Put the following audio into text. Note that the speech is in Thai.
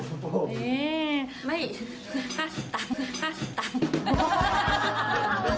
ถ้าบอกก็ไม่สไพร์